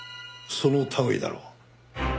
その類いだろう。